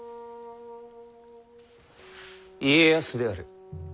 家康である。